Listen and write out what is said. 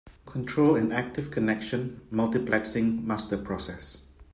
Control an active connection multiplexing master process.